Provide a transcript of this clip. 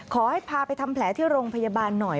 ขอให้พาไปทำแผลที่โรงพยาบาลหน่อย